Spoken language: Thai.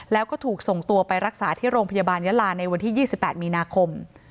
แล้วก็ถูกส่งตัวไปรักษาที่โรงพยาบาลยาลาในวันที่๒๘มีนาคม